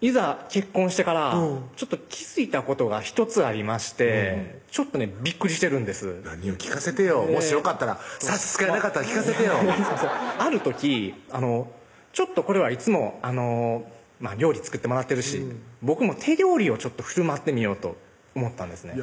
結婚してから気付いたことが１つありましてちょっとねびっくりしてるんです何よ聞かせてよもしよかったら差し支えなかったら聞かせてよある時ちょっとこれはいつも料理作ってもらってるし僕も手料理をふるまってみようと思ったんですね